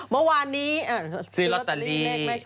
เมื่อวานนี้เลขแม่ชมไว้ซื้อลอตตาลี